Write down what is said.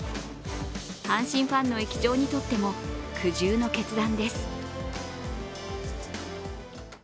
阪神ファンの駅長にとっても苦渋の決断です。